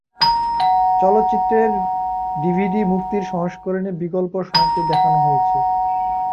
চলচ্চিত্রের ডিভিডি মুক্তির সংস্করণে বিকল্প সমাপ্তি দেখানো হয়েছে।